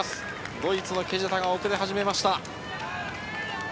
ドイツのケジェタが遅れ始めました。